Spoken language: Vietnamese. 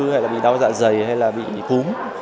hay là bị đau dạ dày hay là bị cúm